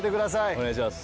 お願いします。